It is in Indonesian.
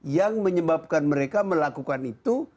yang menyebabkan mereka melakukan itu